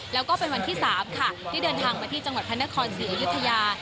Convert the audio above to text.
แล้วก็เป็นวันที่๓ค่ะที่เดินทางมาที่จังหวัดพระนครศรีอยุธยา